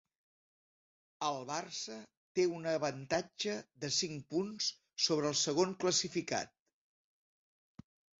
El Barça té un avantatge de cinc punts sobre el segon classificat.